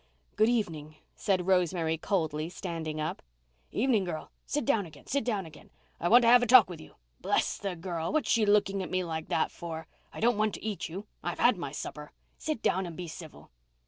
"Good evening," said Rosemary coldly, standing up. "'Evening, girl. Sit down again—sit down again. I want to have a talk with you. Bless the girl, what's she looking at me like that for? I don't want to eat you—I've had my supper. Sit down and be civil."